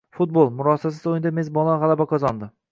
Futbol: murosasiz o‘yinda mezbonlar g‘alaba qozondi